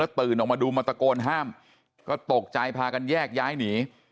ตื่นออกมาดูมาตะโกนห้ามก็ตกใจพากันแยกย้ายหนี